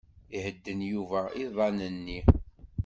Ihedden Yuba iḍan-nni.